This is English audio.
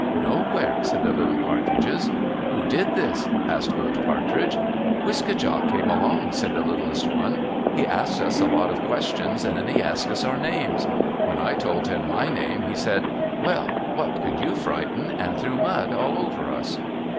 "Nowhere," said the little partridges. "Who did this?" asked Old Partridge. "Wiske djak came along," said the littlest one. "He asked us a lot of questions, and then he asked us our names. When I told him my name, he said, 'Well, what could you frighten?' and threw mud all over us."